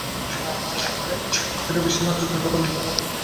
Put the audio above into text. সেটা বিশেষ আশ্চর্যের কথা নয়।